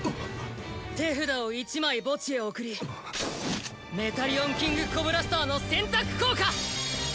手札を１枚墓地へ送りメタリオン・キングコブラスターの選択効果！